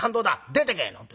出ていけ！」なんて